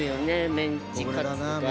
メンチカツが。